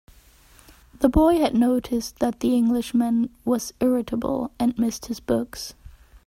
The boy had noticed that the Englishman was irritable, and missed his books.